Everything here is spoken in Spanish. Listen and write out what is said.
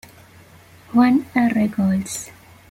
Juan R. Goltz.